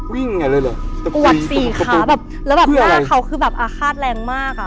วิ่งอย่างนั้นเลยเหรอตะกรีปวดสี่ขาแล้วแบบหน้าเขาคือแบบอาฆาตแรงมากอ่ะ